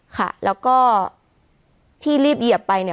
ค่ะแล้วก็ที่รีบเหยียบไปเนี่ย